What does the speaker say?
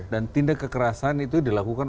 dan tindak kekerasan itu dilakukan